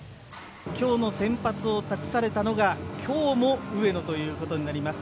今日の先発を託されたのが今日も上野ということになります。